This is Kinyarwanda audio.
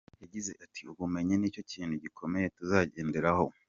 Yagize ati : "Ubumenyi ni cyo kintu gikomeye tuzagenderaho”.